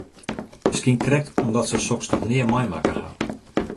Miskien krekt omdat se soks noch nea meimakke ha.